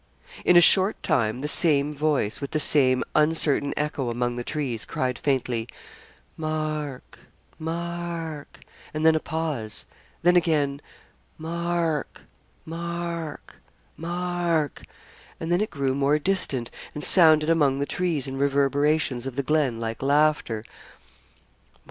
In a short time the same voice, with the same uncertain echo among the trees, cried faintly, 'Mark Mark,' and then a pause; then again, 'Mark Mark Mark,' and then it grew more distant, and sounded among the trees and reverberations of the glen like laughter.